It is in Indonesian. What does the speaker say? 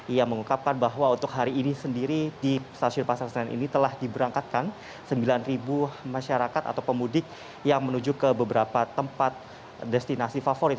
ia mengungkapkan bahwa untuk hari ini sendiri di stasiun pasar senen ini telah diberangkatkan sembilan masyarakat atau pemudik yang menuju ke beberapa tempat destinasi favorit